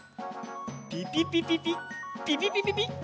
ピピピピピピピピピピ。